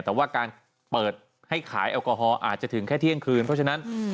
แต่ว่าการเปิดให้ขายแอลกอฮอลอาจจะถึงแค่เที่ยงคืนเพราะฉะนั้น